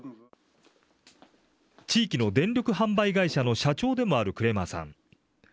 地域の電力販売会社の社長でもあるクレマーさん。